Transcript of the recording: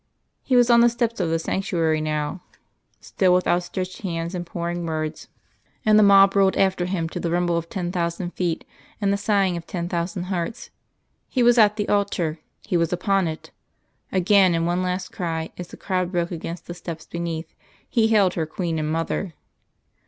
He was on the steps of the sanctuary now, still with outstretched hands and pouring words, and the mob rolled after him to the rumble of ten thousand feet and the sighing of ten thousand hearts.... He was at the altar; He was upon it. Again in one last cry, as the crowd broke against the steps beneath, He hailed her Queen and Mother.